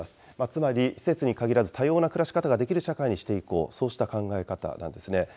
つまり、施設に限らず、多様な暮らし方ができる社会にしていこう、そうした考え方なんですね。